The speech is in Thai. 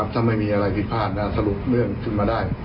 ถ้าไม่มีอะไรผิดพลาดสรุปเรื่องขึ้นมาได้